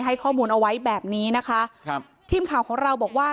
ให้ข้อมูลเอาไว้แบบนี้นะคะครับทีมข่าวของเราบอกว่า